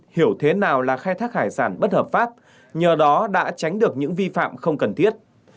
hiểu thế nào là khai thác hải sản bất hợp pháp nhờ đó đã tránh được những vi phạm không cần thiết